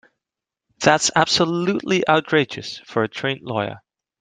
That's absolutely outrageous for a trained lawyer.